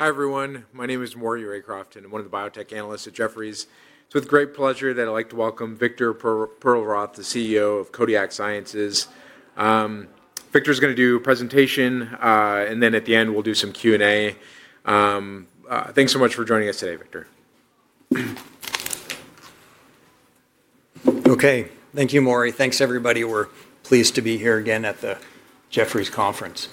Hi, everyone. My name is Maury Raycroft. I'm one of the biotech analysts at Jefferies. It's with great pleasure that I'd like to welcome Victor Perlroth, the CEO of Kodiak Sciences. Victor's going to do a presentation, and then at the end, we'll do some Q&A. Thanks so much for joining us today, Victor. Okay. Thank you, Maury. Thanks, everybody. We're pleased to be here again at the Jefferies Conference.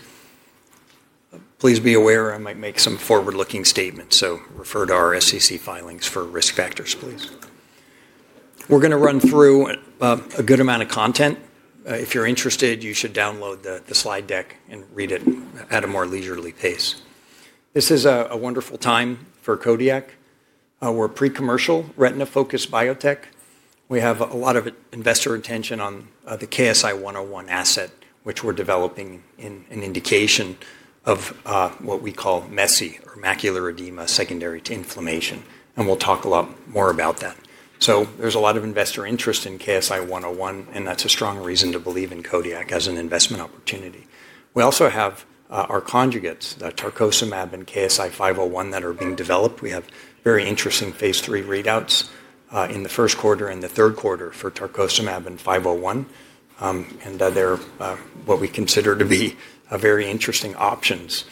Please be aware I might make some forward-looking statements, so refer to our SEC filings for risk factors, please. We're going to run through a good amount of content. If you're interested, you should download the slide deck and read it at a more leisurely pace. This is a wonderful time for Kodiak. We're pre-commercial retina-focused biotech. We have a lot of investor attention on the KSI-101 asset, which we're developing in an indication of what we call MESI, or Macular Edema Secondary to Inflammation. And we'll talk a lot more about that. There is a lot of investor interest in KSI-101, and that's a strong reason to believe in Kodiak as an investment opportunity. We also have our conjugates, the tarcocimab and KSI-501, that are being developed. We have very interesting phase III readouts in the first quarter and the third quarter for tarcocimab and 501. They're what we consider to be very interesting options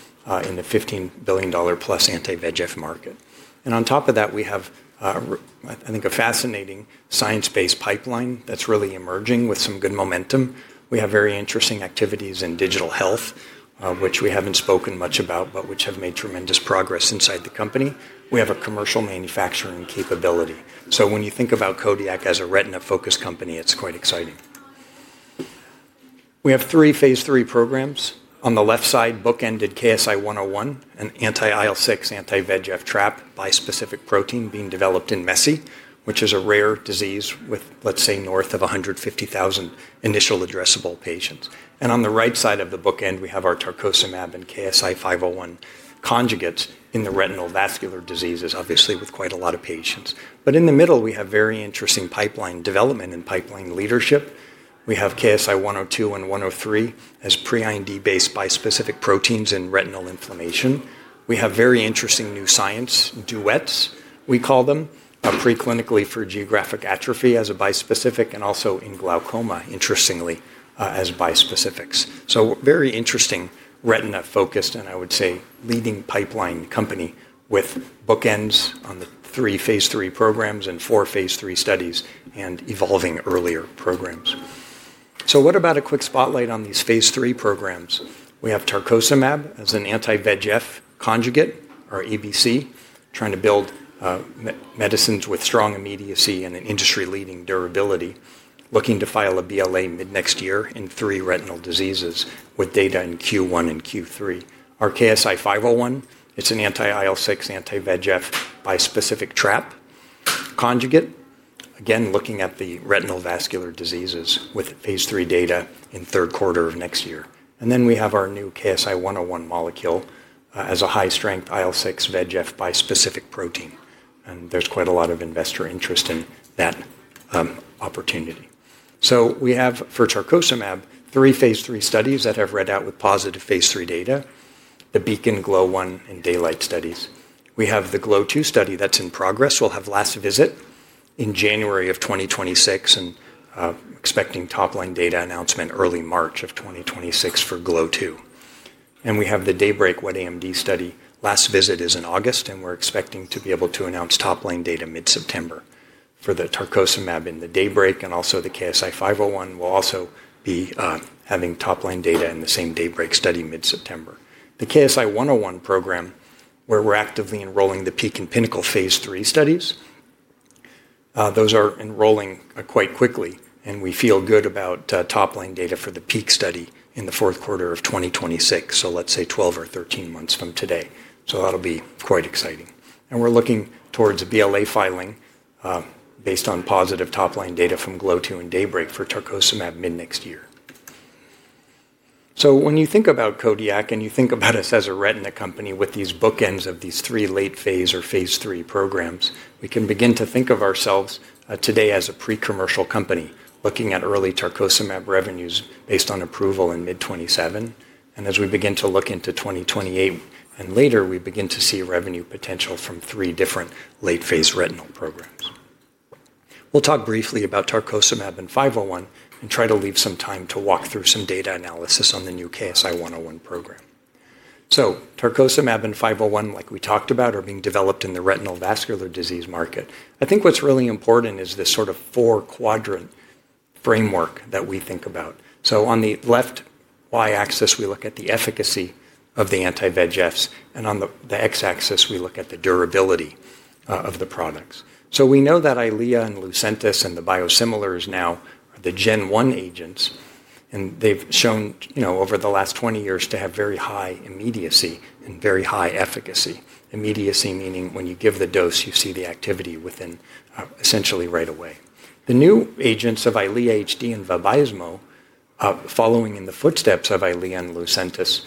in the $15 billion+ anti-VEGF market. On top of that, we have, I think, a fascinating science-based pipeline that's really emerging with some good momentum. We have very interesting activities in digital health, which we haven't spoken much about, but which have made tremendous progress inside the company. We have a commercial manufacturing capability. When you think about Kodiak as a retina-focused company, it's quite exciting. We have three phase III programs. On the left side, bookended KSI-101, an anti-IL-6, anti-VEGF trap bispecific protein being developed in MESI, which is a rare disease with, let's say, north of 150,000 initial addressable patients. On the right side of the bookend, we have our tarcocimab and KSI-501 conjugates in the retinal vascular diseases, obviously, with quite a lot of patients. In the middle, we have very interesting pipeline development and pipeline leadership. We have KSI-102 and 103 as pre-IND-based bispecific proteins in retinal inflammation. We have very interesting new science duets, we call them, preclinically for geographic atrophy as a bispecific and also in glaucoma, interestingly, as bispecifics. Very interesting retina-focused, and I would say leading pipeline company with bookends on the three phase III programs and four phase III studies and evolving earlier programs. What about a quick spotlight on these phase III programs? We have tarcocimab as an anti-VEGF conjugate, our ABC, trying to build medicines with strong immediacy and an industry-leading durability, looking to file a BLA mid-next year in three retinal diseases with data in Q1 and Q3. Our KSI-501, it's an anti-IL-6, anti-VEGF bispecific trap conjugate, again, looking at the retinal vascular diseases with phase III data in the third quarter of next year. Then we have our new KSI-101 molecule as a high-strength IL-6 VEGF bispecific protein. And there's quite a lot of investor interest in that opportunity. We have, for tarcocimab, three phase III studies that have read out with positive phase III data, the BEACON, GLOW1, and DAYLIGHT studies. We have the GLOW2 study that's in progress. We'll have last visit in January of 2026 and expecting top-line data announcement early March of 2026 for GLOW2. We have the DAYBREAK wet AMD study. Last visit is in August, and we're expecting to be able to announce top-line data mid-September for the tarcocimab in the DAYBREAK, and also the KSI-501 will also be having top-line data in the same DAYBREAK study mid-September. The KSI-101 program, where we're actively enrolling the PEAK and PINNACLE phase III studies, those are enrolling quite quickly, and we feel good about top-line data for the PEAK study in the fourth quarter of 2026, so let's say 12 or 13 months from today. That'll be quite exciting. We're looking towards a BLA filing based on positive top-line data from GLOW2 and DAYBREAK for tarcocimab mid-next year. When you think about Kodiak and you think about us as a retina company with these bookends of these three late-phase or phase III programs, we can begin to think of ourselves today as a pre-commercial company looking at early tarcocimab revenues based on approval in mid-2027. As we begin to look into 2028 and later, we begin to see revenue potential from three different late-phase retinal programs. We'll talk briefly about tarcocimab and 501 and try to leave some time to walk through some data analysis on the new KSI-101 program. Tarcocimab and 501, like we talked about, are being developed in the retinal vascular disease market. I think what's really important is this sort of four-quadrant framework that we think about. On the left Y-axis, we look at the efficacy of the anti-VEGFs, and on the X-axis, we look at the durability of the products. We know that Eylea and Lucentis and the biosimilars now are the Gen 1 agents, and they have shown over the last 20 years to have very high immediacy and very high efficacy. Immediacy meaning when you give the dose, you see the activity within essentially right away. The new agents of Eylea HD and Vabysmo, following in the footsteps of Eylea and Lucentis,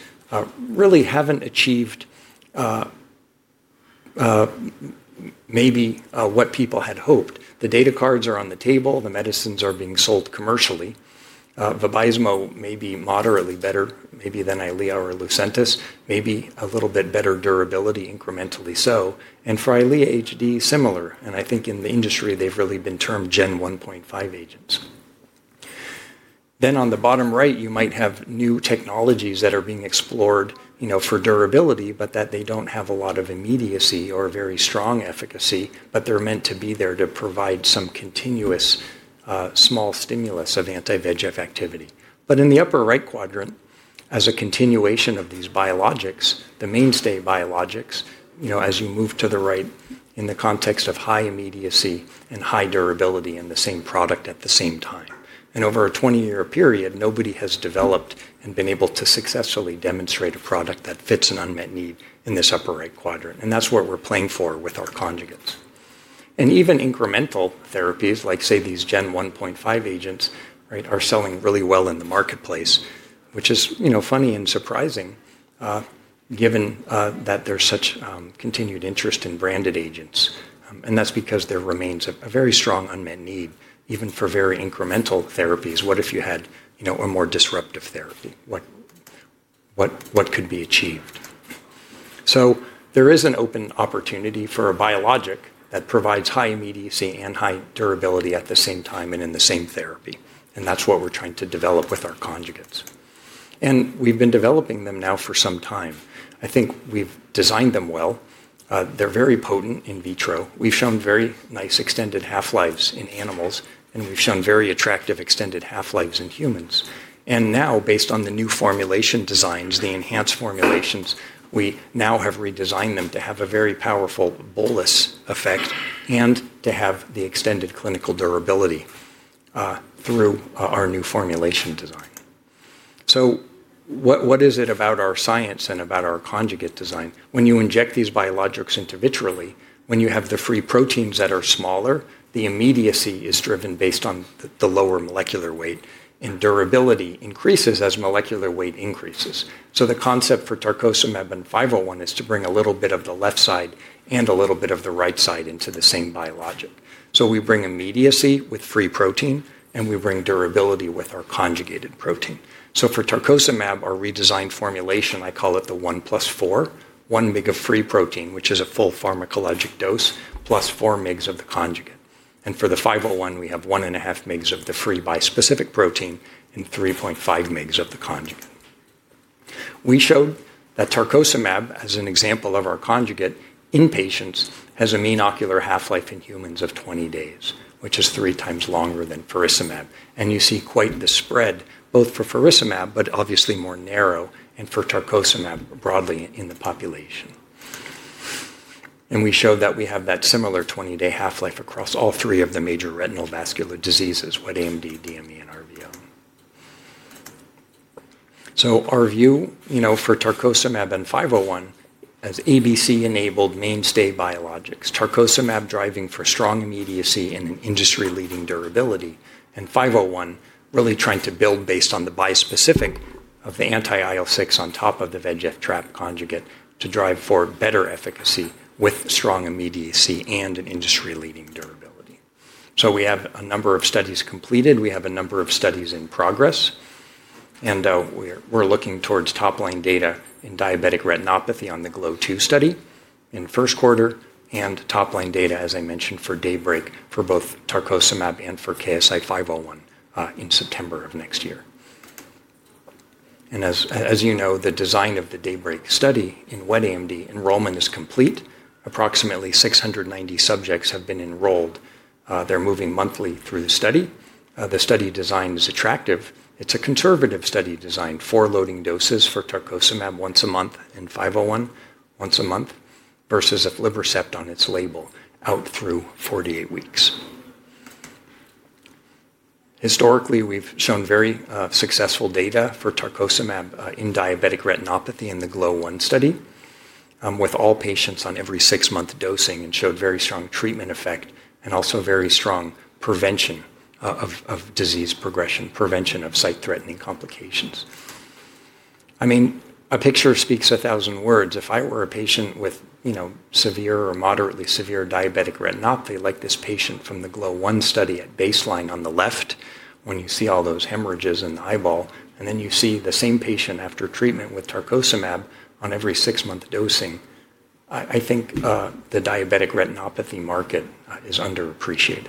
really have not achieved maybe what people had hoped. The data cards are on the table. The medicines are being sold commercially. Vabysmo may be moderately better, maybe than Eylea or Lucentis, maybe a little bit better durability, incrementally so. For Eylea HD, similar. I think in the industry, they have really been termed Gen 1.5 agents. On the bottom right, you might have new technologies that are being explored for durability, but they do not have a lot of immediacy or very strong efficacy, but they are meant to be there to provide some continuous small stimulus of anti-VEGF activity. In the upper right quadrant, as a continuation of these biologics, the mainstay biologics, as you move to the right in the context of high immediacy and high durability in the same product at the same time. Over a 20-year period, nobody has developed and been able to successfully demonstrate a product that fits an unmet need in this upper right quadrant. That is what we are playing for with our conjugates. Even incremental therapies, like, say, these Gen 1.5 agents, are selling really well in the marketplace, which is funny and surprising given that there is such continued interest in branded agents. That is because there remains a very strong unmet need, even for very incremental therapies. What if you had a more disruptive therapy? What could be achieved? There is an open opportunity for a biologic that provides high immediacy and high durability at the same time and in the same therapy. That is what we are trying to develop with our conjugates. We have been developing them now for some time. I think we have designed them well. They are very potent in vitro. We have shown very nice extended half-lives in animals, and we have shown very attractive extended half-lives in humans. Now, based on the new formulation designs, the enhanced formulations, we have redesigned them to have a very powerful bolus effect and to have the extended clinical durability through our new formulation design. What is it about our science and about our conjugate design? When you inject these biologics individually, when you have the free proteins that are smaller, the immediacy is driven based on the lower molecular weight, and durability increases as molecular weight increases. The concept for tarcocimab and 501 is to bring a little bit of the left side and a little bit of the right side into the same biologic. We bring immediacy with free protein, and we bring durability with our conjugated protein. For tarcocimab, our redesigned formulation, I call it the 1 plus 4, 1 mg of free protein, which is a full pharmacologic dose, plus 4 mg of the conjugate. For the 501, we have 1.5 mg of the free bispecific protein and 3.5 mg of the conjugate. We showed that tarcocimab, as an example of our conjugate in patients, has a mean ocular half-life in humans of 20 days, which is three times longer than faricimab. You see quite the spread, both for faricimab, but obviously more narrow, and for tarcocimab broadly in the population. We showed that we have that similar 20-day half-life across all three of the major retinal vascular diseases: wet AMD, DME, and RVO. Our view for tarcocimab and 501 as ABC-enabled mainstay biologics, tarcocimab driving for strong immediacy and an industry-leading durability, and 501 really trying to build based on the bispecific of the anti-IL-6 on top of the VEGF trap conjugate to drive for better efficacy with strong immediacy and an industry-leading durability. We have a number of studies completed. We have a number of studies in progress. We're looking towards top-line data in diabetic retinopathy on the GLOW2 study in the first quarter and top-line data, as I mentioned, for DAYBREAK for both tarcocimab and for KSI-501 in September of next year. As you know, the design of the DAYBREAK study in wet AMD, enrollment is complete. Approximately 690 subjects have been enrolled. They're moving monthly through the study. The study design is attractive. It's a conservative study design for loading doses for tarcocimab once a month and 501 once a month versus Eylea on its label out through 48 weeks. Historically, we've shown very successful data for tarcocimab in diabetic retinopathy in the GLOW1 study with all patients on every six-month dosing and showed very strong treatment effect and also very strong prevention of disease progression, prevention of sight-threatening complications. I mean, a picture speaks a thousand words. If I were a patient with severe or moderately severe diabetic retinopathy like this patient from the GLOW1 study at baseline on the left, when you see all those hemorrhages in the eyeball, and then you see the same patient after treatment with tarcocimab on every six-month dosing, I think the diabetic retinopathy market is underappreciated.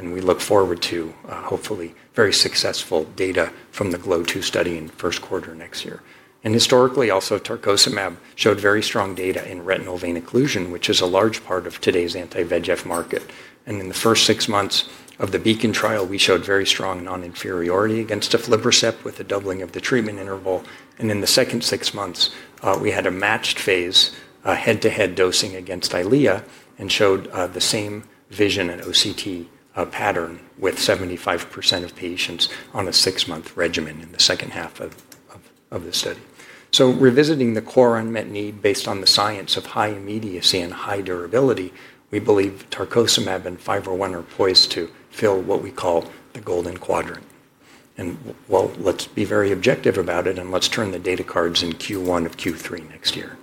We look forward to hopefully very successful data from the GLOW2 study in the first quarter next year. Historically, also, tarcocimab showed very strong data in retinal vein occlusion, which is a large part of today's anti-VEGF market. In the first six months of the BEACON study, we showed very strong non-inferiority against Eylea with a doubling of the treatment interval. In the second six months, we had a matched phase head-to-head dosing against Eylea and showed the same vision and OCT pattern with 75% of patients on a six-month regimen in the second half of the study. Revisiting the core unmet need based on the science of high immediacy and high durability, we believe tarcocimab and 501 are poised to fill what we call the golden quadrant. Let's be very objective about it, and let's turn the data cards in Q1 of Q3 next year.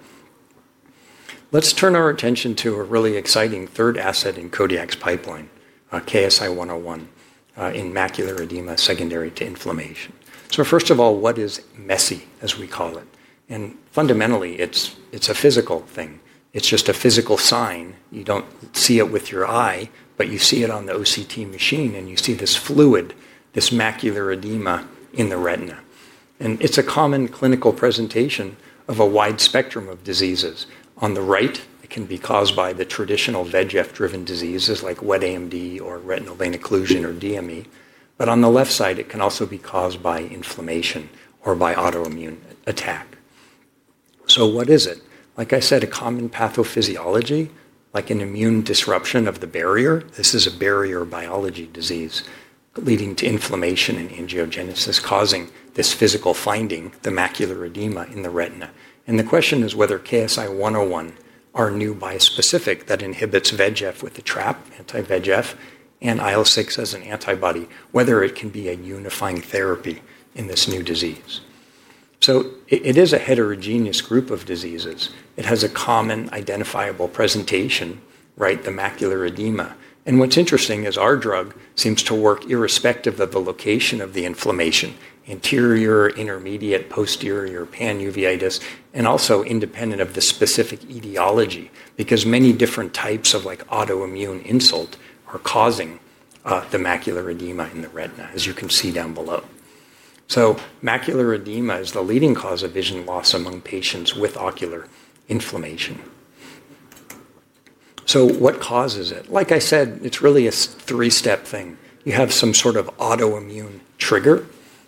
Let's turn our attention to a really exciting third asset in Kodiak's pipeline, KSI-101, in Macular Edema Secondary to Inflammation. First of all, what is MESI, as we call it? Fundamentally, it's a physical thing. It's just a physical sign. You don't see it with your eye, but you see it on the OCT machine, and you see this fluid, this macular edema in the retina. It is a common clinical presentation of a wide spectrum of diseases. On the right, it can be caused by the traditional VEGF-driven diseases like wet AMD or retinal vein occlusion or DME. On the left side, it can also be caused by inflammation or by autoimmune attack. What is it? Like I said, a common pathophysiology, like an immune disruption of the barrier. This is a barrier biology disease leading to inflammation and angiogenesis causing this physical finding, the macular edema in the retina. The question is whether KSI-101, our new bispecific that inhibits VEGF with the trap, anti-VEGF, and IL-6 as an antibody, whether it can be a unifying therapy in this new disease. It is a heterogeneous group of diseases. It has a common identifiable presentation, right? The macular edema. What's interesting is our drug seems to work irrespective of the location of the inflammation: anterior, intermediate, posterior, panuveitis, and also independent of the specific etiology because many different types of autoimmune insult are causing the macular edema in the retina, as you can see down below. Macular edema is the leading cause of vision loss among patients with ocular inflammation. What causes it? Like I said, it's really a three-step thing. You have some sort of autoimmune trigger.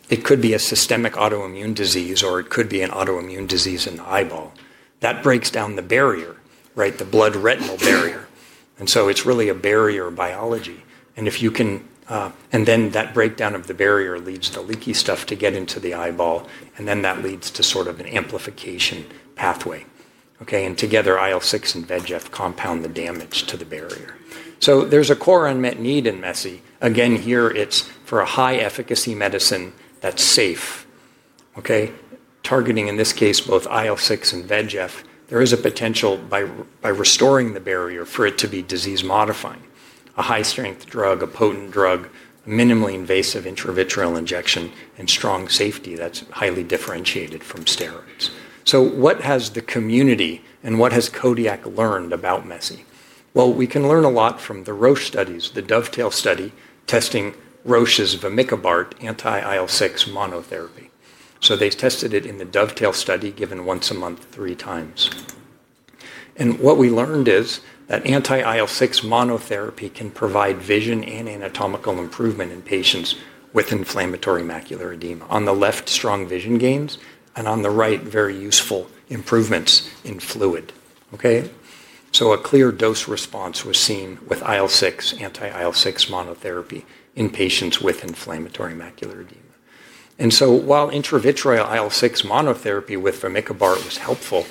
It could be a systemic autoimmune disease, or it could be an autoimmune disease in the eyeball. That breaks down the barrier, right? The blood-retinal barrier. It's really a barrier biology. That breakdown of the barrier leads the leaky stuff to get into the eyeball, and then that leads to sort of an amplification pathway. Okay? Together, IL-6 and VEGF compound the damage to the barrier. There is a core unmet need in MESI. Again, here, it is for a high-efficacy medicine that is safe, okay? Targeting, in this case, both IL-6 and VEGF. There is a potential by restoring the barrier for it to be disease-modifying. A high-strength drug, a potent drug, a minimally invasive intravitreal injection, and strong safety that is highly differentiated from steroids. What has the community and what has Kodiak learned about MESI? We can learn a lot from the Roche studies, the Dovetail Study testing Roche's Vamikibart anti-IL-6 monotherapy. They tested it in the Dovetail Study given once a month three times. What we learned is that anti-IL-6 monotherapy can provide vision and anatomical improvement in patients with inflammatory macular edema. On the left, strong vision gains, and on the right, very useful improvements in fluid. A clear dose response was seen with IL-6 anti-IL-6 monotherapy in patients with inflammatory macular edema. While intravitreal IL-6 monotherapy with Vamikibart was helpful,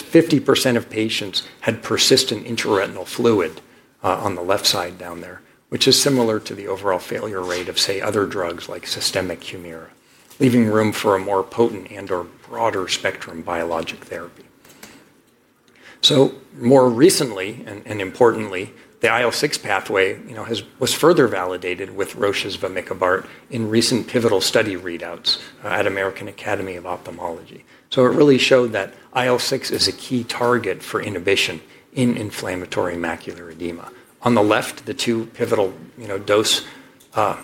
50% of patients had persistent intraretinal fluid on the left side down there, which is similar to the overall failure rate of, say, other drugs like systemic Humira, leaving room for a more potent and/or broader spectrum biologic therapy. More recently, and importantly, the IL-6 pathway was further validated with Roche's Vamikibart in recent pivotal study readouts at American Academy of Ophthalmology. It really showed that IL-6 is a key target for inhibition in inflammatory macular edema. On the left, the two pivotal dose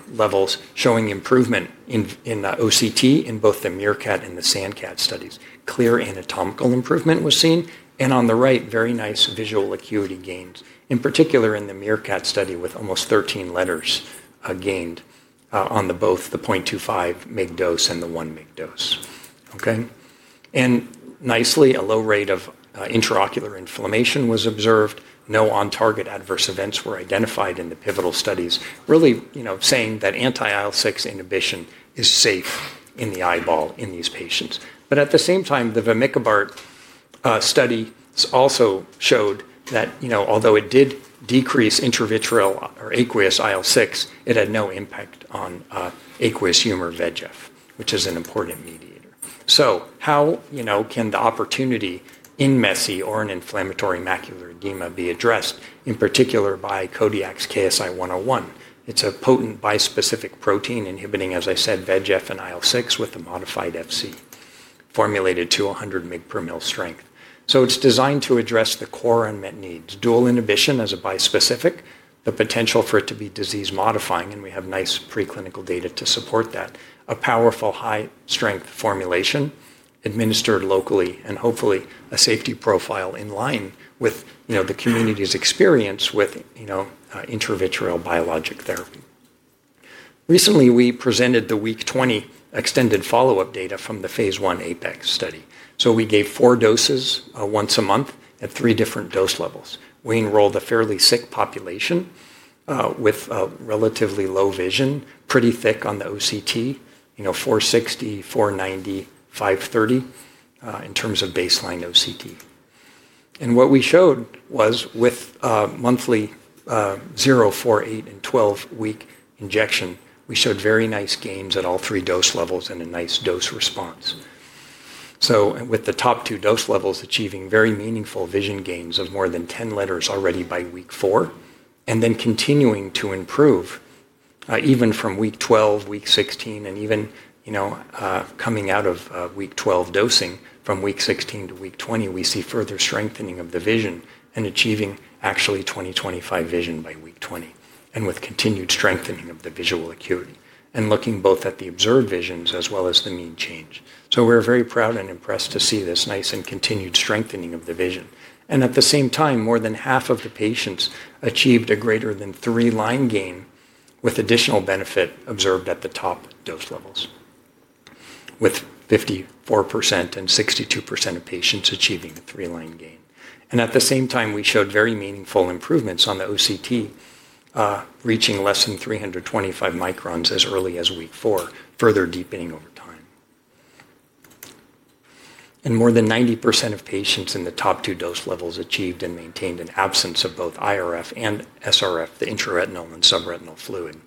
levels showing improvement in OCT in both the MEERKAT and the SANDCAT studies. Clear anatomical improvement was seen. On the right, very nice visual acuity gains, in particular in the MEERKAT study with almost 13 letters gained on both the 0.25 mg dose and the 1 mg dose. Okay? Nicely, a low rate of intraocular inflammation was observed. No on-target adverse events were identified in the pivotal studies, really saying that anti-IL-6 inhibition is safe in the eyeball in these patients. At the same time, the Vamikibart study also showed that although it did decrease intravitreal or aqueous IL-6, it had no impact on aqueous humor VEGF, which is an important mediator. How can the opportunity in MESI or in inflammatory macular edema be addressed, in particular by Kodiak's KSI-101? It's a potent bispecific protein inhibiting, as I said, VEGF and IL-6 with a modified FC formulated to 100 mg/mL strength. It is designed to address the core unmet needs: dual inhibition as a bispecific, the potential for it to be disease-modifying, and we have nice preclinical data to support that, a powerful high-strength formulation administered locally, and hopefully a safety profile in line with the community's experience with intravitreal biologic therapy. Recently, we presented the week 20 extended follow-up data from the phase I APEX study. We gave four doses once a month at three different dose levels. We enrolled a fairly sick population with relatively low vision, pretty thick on the OCT, 460, 490, 530 in terms of baseline OCT. What we showed was with monthly 0, 4, 8, and 12-week injection, we showed very nice gains at all three dose levels and a nice dose response. With the top two dose levels achieving very meaningful vision gains of more than 10 letters already by week four, and then continuing to improve even from week 12, week 16, and even coming out of week 12 dosing, from week 16 to week 20, we see further strengthening of the vision and achieving actually 20/25 vision by week 20, and with continued strengthening of the visual acuity and looking both at the observed visions as well as the mean change. We are very proud and impressed to see this nice and continued strengthening of the vision. At the same time, more than half of the patients achieved a greater than three-line gain with additional benefit observed at the top dose levels, with 54% and 62% of patients achieving the three-line gain. At the same time, we showed very meaningful improvements on the OCT, reaching less than 325 microns as early as week four, further deepening over time. More than 90% of patients in the top two dose levels achieved and maintained an absence of both IRF and SRF, the intraretinal and subretinal fluid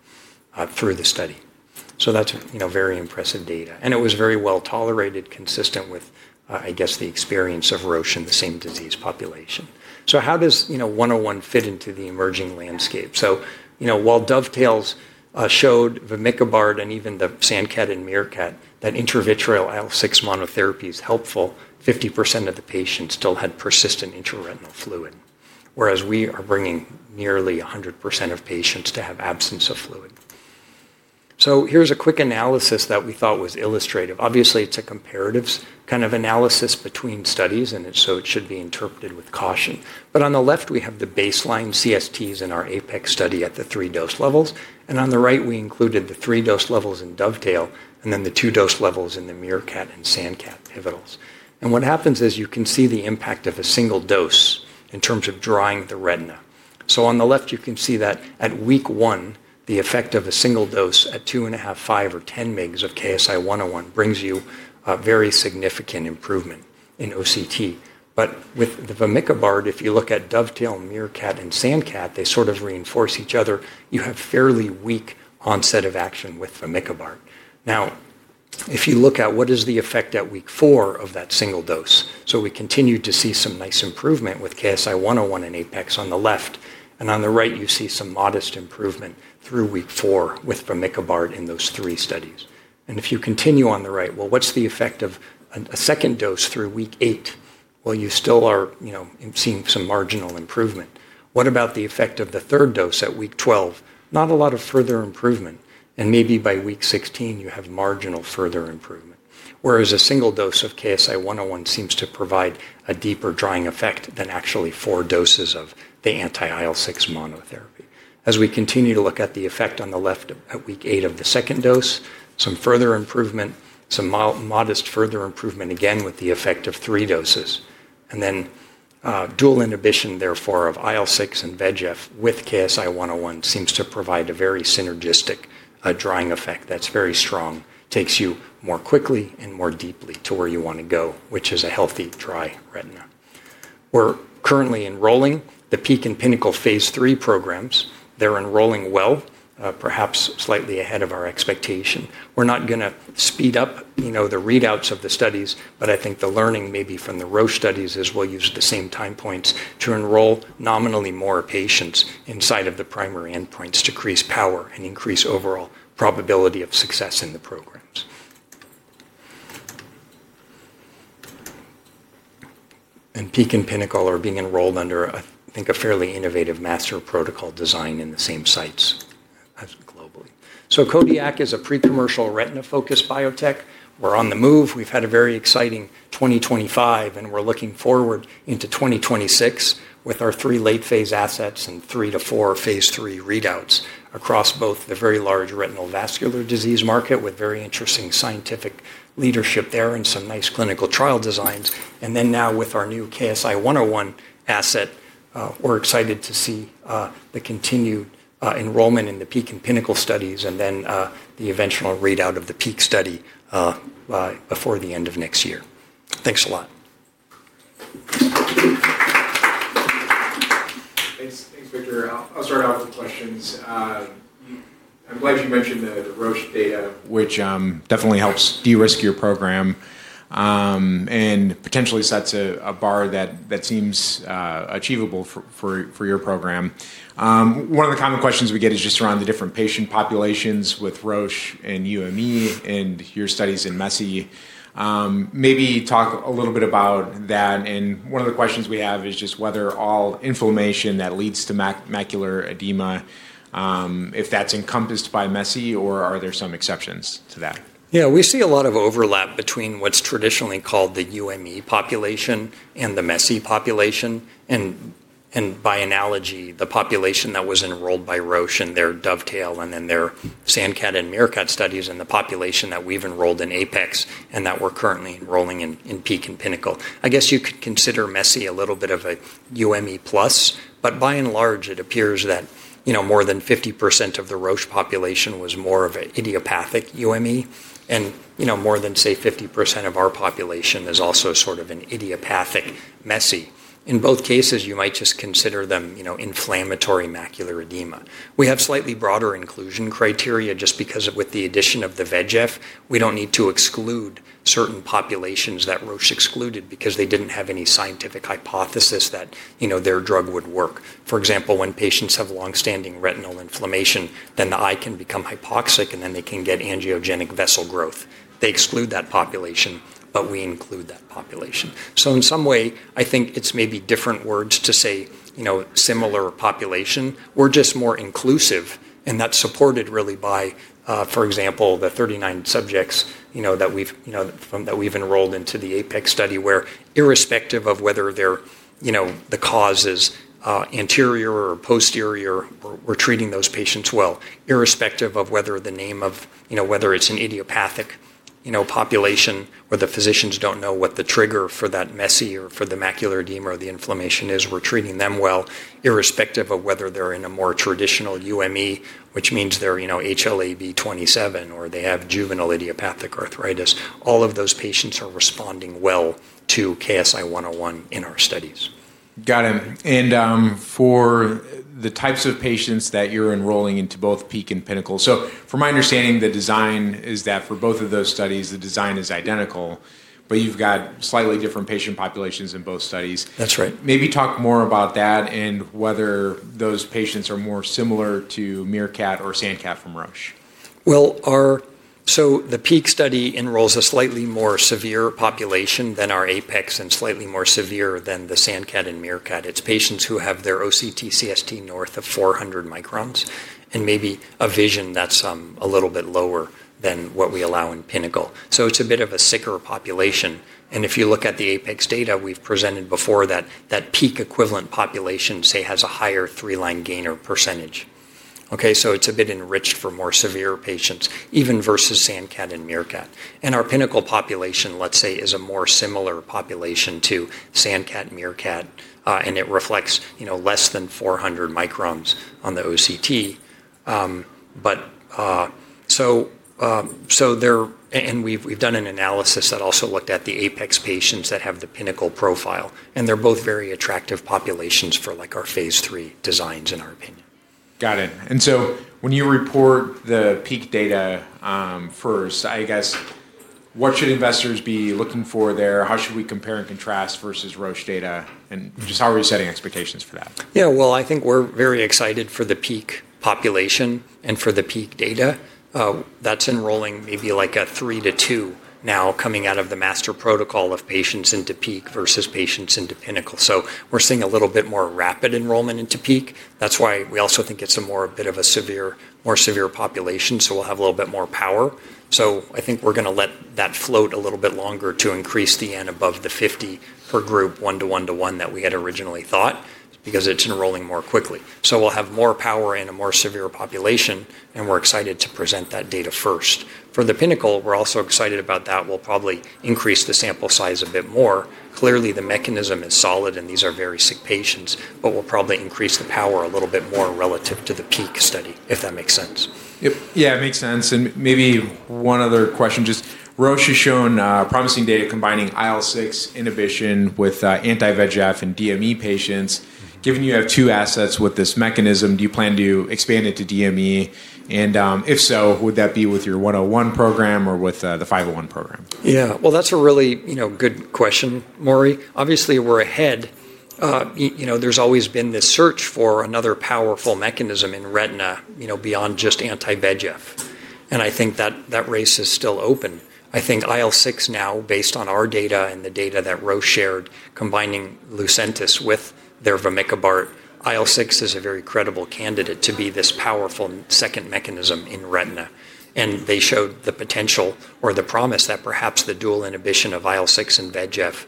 through the study. That is very impressive data. It was very well tolerated, consistent with, I guess, the experience of Roche in the same disease population. How does 101 fit into the emerging landscape? While Dovetail showed Vamikibart and even the SANDCAT and MEERKAT that intravitreal IL-6 monotherapy is helpful, 50% of the patients still had persistent intraretinal fluid, whereas we are bringing nearly 100% of patients to have absence of fluid. Here's a quick analysis that we thought was illustrative. Obviously, it's a comparative kind of analysis between studies, and it should be interpreted with caution. On the left, we have the baseline CSTs in our APEX study at the three dose levels. On the right, we included the three dose levels in Dovetail and then the two dose levels in the MEERKAT and SANDCAT pivotals. What happens is you can see the impact of a single dose in terms of drying the retina. On the left, you can see that at week one, the effect of a single dose at 2.5 mg, 5 mg, or 10 mg of KSI-101 brings you a very significant improvement in OCT. With the Vamikibart, if you look at Dovetail, MEERKAT, and SANDCAT, they sort of reinforce each other. You have fairly weak onset of action with Vamikibart. Now, if you look at what is the effect at week four of that single dose, we continue to see some nice improvement with KSI-101 and APEX on the left. On the right, you see some modest improvement through week four with Vamikibart in those three studies. If you continue on the right, what is the effect of a second dose through week eight? You still are seeing some marginal improvement. What about the effect of the third dose at week 12? Not a lot of further improvement. Maybe by week 16, you have marginal further improvement, whereas a single dose of KSI-101 seems to provide a deeper drying effect than actually four doses of the anti-IL-6 monotherapy. As we continue to look at the effect on the left at week eight of the second dose, some further improvement, some modest further improvement, again, with the effect of three doses. Dual inhibition, therefore, of IL-6 and VEGF with KSI-101 seems to provide a very synergistic drying effect that is very strong, takes you more quickly and more deeply to where you want to go, which is a healthy, dry retina. We are currently enrolling the PEAK and PINNACLE phase III programs. They are enrolling well, perhaps slightly ahead of our expectation. We're not going to speed up the readouts of the studies, but I think the learning maybe from the Roche studies is we'll use the same time points to enroll nominally more patients inside of the primary endpoints to increase power and increase overall probability of success in the programs. PEAK and PINNACLE are being enrolled under, I think, a fairly innovative master protocol design in the same sites globally. Kodiak is a pre-commercial retina-focused biotech. We're on the move. We've had a very exciting 2025, and we're looking forward into 2026 with our three late-phase assets and three to four phase III readouts across both the very large retinal vascular disease market with very interesting scientific leadership there and some nice clinical trial designs. Now with our new KSI-101 asset, we're excited to see the continued enrollment in the PEAK and PINNACLE studies and then the eventual readout of the PEAK study before the end of next year. Thanks a lot. Thanks, Victor. I'll start off with questions. I'm glad you mentioned the Roche data, which definitely helps de-risk your program and potentially sets a bar that seems achievable for your program. One of the common questions we get is just around the different patient populations with Roche and UME and your studies in MESI. Maybe talk a little bit about that. One of the questions we have is just whether all inflammation that leads to macular edema, if that's encompassed by MESI, or are there some exceptions to that? Yeah, we see a lot of overlap between what's traditionally called the UME population and the MESI population. By analogy, the population that was enrolled by Roche in their Dovetail and then their SANDCAT and MEERKAT studies and the population that we've enrolled in APEX and that we're currently enrolling in PEAK and PINNACLE. I guess you could consider MESI a little bit of a UME plus, but by and large, it appears that more than 50% of the Roche population was more of an idiopathic UME, and more than, say, 50% of our population is also sort of an idiopathic MESI. In both cases, you might just consider them inflammatory macular edema. We have slightly broader inclusion criteria just because with the addition of the VEGF, we don't need to exclude certain populations that Roche excluded because they didn't have any scientific hypothesis that their drug would work. For example, when patients have long-standing retinal inflammation, then the eye can become hypoxic, and then they can get angiogenic vessel growth. They exclude that population, but we include that population. In some way, I think it's maybe different words to say similar population. We're just more inclusive, and that's supported really by, for example, the 39 subjects that we've enrolled into the APEX Study where, irrespective of whether the cause is anterior or posterior, we're treating those patients well. Irrespective of whether the name of whether it's an idiopathic population or the physicians don't know what the trigger for that MESI or for the macular edema or the inflammation is, we're treating them well. Irrespective of whether they're in a more traditional UME, which means they're HLA-B27 or they have juvenile idiopathic arthritis, all of those patients are responding well to KSI-101 in our studies. Got it. For the types of patients that you're enrolling into both PEAK and PINNACLE, from my understanding, the design is that for both of those studies, the design is identical, but you've got slightly different patient populations in both studies. That's right. Maybe talk more about that and whether those patients are more similar to MEERKAT or SANDCAT from Roche. The PEAK study enrolls a slightly more severe population than our APEX and slightly more severe than the SANDCAT and MEERKAT. It's patients who have their OCT CST north of 400 microns and maybe a vision that's a little bit lower than what we allow in PINNACLE. It's a bit of a sicker population. If you look at the APEX data we've presented before, that PEAK equivalent population, say, has a higher three-line gainer percentage. Okay? It's a bit enriched for more severe patients, even versus SANDCAT and MEERKAT. Our PINNACLE population, let's say, is a more similar population to SANDCAT and MEERKAT, and it reflects less than 400 microns on the OCT. We've done an analysis that also looked at the APEX patients that have the PINNACLE profile. They're both very attractive populations for our phase III designs, in our opinion. Got it. When you report the PEAK data first, I guess, what should investors be looking for there? How should we compare and contrast versus Roche data? How are you setting expectations for that? Yeah, I think we're very excited for the PEAK population and for the PEAK data. That's enrolling maybe like a three to two now coming out of the master protocol of patients into PEAK versus patients into PINNACLE. We're seeing a little bit more rapid enrollment into PEAK. That's why we also think it's a bit of a more severe population, so we'll have a little bit more power. I think we're going to let that float a little bit longer to increase the N above the 50 per group, one to one to one that we had originally thought, because it's enrolling more quickly. We'll have more power in a more severe population, and we're excited to present that data first. For the PINNACLE, we're also excited about that. We'll probably increase the sample size a bit more. Clearly, the mechanism is solid, and these are very sick patients, but we'll probably increase the power a little bit more relative to the PEAK study, if that makes sense. Yeah, it makes sense. Maybe one other question. Just Roche has shown promising data combining IL-6 inhibition with anti-VEGF in DME patients. Given you have two assets with this mechanism, do you plan to expand it to DME? And if so, would that be with your 101 program or with the 501 program? Yeah. That's a really good question, Maury. Obviously, we're ahead. There's always been this search for another powerful mechanism in retina beyond just anti-VEGF. I think that race is still open. I think IL-6 now, based on our data and the data that Roche shared, combining Lucentis with their Vamikibart, IL-6 is a very credible candidate to be this powerful second mechanism in retina. They showed the potential or the promise that perhaps the dual inhibition of IL-6 and VEGF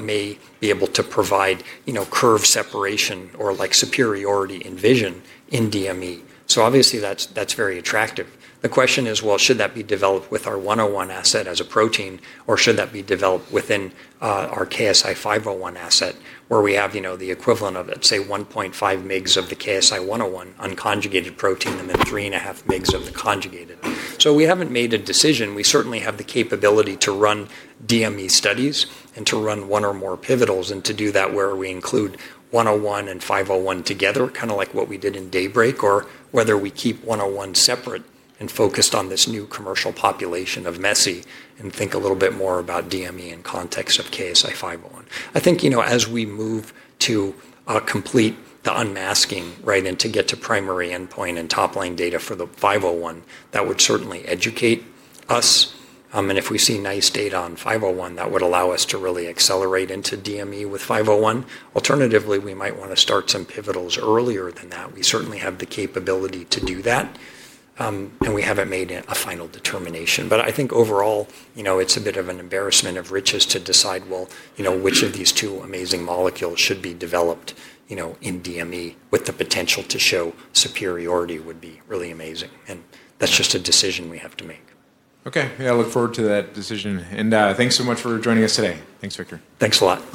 may be able to provide curve separation or superiority in vision in DME. Obviously, that's very attractive. The question is, should that be developed with our 101 asset as a protein, or should that be developed within our KSI-501 asset, where we have the equivalent of, say, 1.5 mg of the KSI-101 unconjugated protein and then 3.5 mg of the conjugated? We haven't made a decision. We certainly have the capability to run DME studies and to run one or more pivotals and to do that where we include 101 and 501 together, kind of like what we did in DAYBREAK, or whether we keep 101 separate and focused on this new commercial population of MESI and think a little bit more about DME in context of KSI-501. I think as we move to complete the unmasking, right, and to get to primary endpoint and top-line data for the 501, that would certainly educate us. If we see nice data on 501, that would allow us to really accelerate into DME with 501. Alternatively, we might want to start some pivotals earlier than that. We certainly have the capability to do that, and we have not made a final determination. I think overall, it is a bit of an embarrassment of riches to decide which of these two amazing molecules should be developed in DME with the potential to show superiority would be really amazing. That is just a decision we have to make. Okay. I look forward to that decision. Thanks so much for joining us today. Thanks, Victor. Thanks a lot.